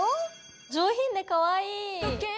上品でかわいい！